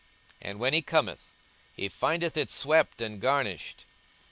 42:011:025 And when he cometh, he findeth it swept and garnished.